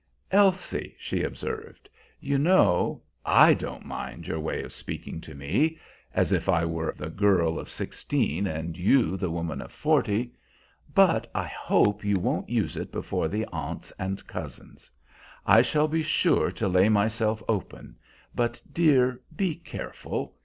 "Elsie," she observed, "you know I don't mind your way of speaking to me, as if I were the girl of sixteen and you the woman of forty, but I hope you won't use it before the aunts and cousins. I shall be sure to lay myself open, but, dear, be careful.